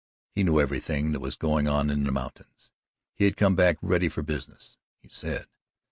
He knew everything that was going on in the mountains. He had come back "ready for business," he said.